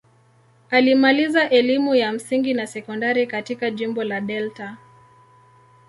Alimaliza elimu ya msingi na sekondari katika jimbo la Delta.